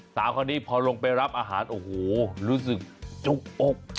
สาวคนนี้พอลงไปรับอาหารโอ้โหรู้สึกจุกอก